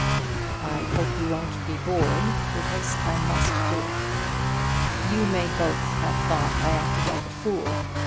I hope you won't be bored, because I must do it. You may both have thought I acted like a fool.